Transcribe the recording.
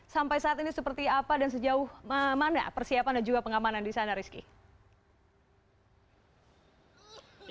sampai saat ini seperti apa dan sejauh mana persiapan dan juga pengamanan di sana rizky